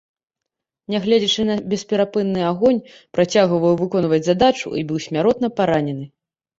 Нягледзячы на бесперапынны агонь, працягваў выконваць задачу і быў смяротна паранены.